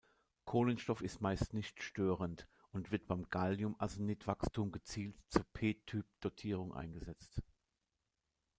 Kohlenstoff ist meist nicht störend und wird beim Galliumarsenid Wachstum gezielt zur p-Typ-Dotierung eingesetzt.